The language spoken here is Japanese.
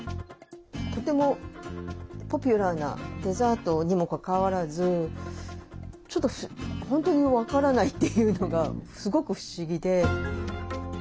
とてもポピュラーなデザートにもかかわらずちょっと本当に分からないっていうのがすごく不思議で。